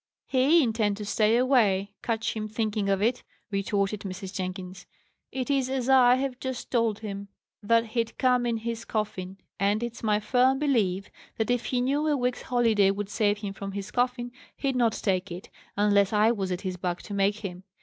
"He intend to stay away! catch him thinking of it," retorted Mrs. Jenkins. "It is as I have just told him that he'd come in his coffin. And it's my firm belief that if he knew a week's holiday would save him from his coffin, he'd not take it, unless I was at his back to make him.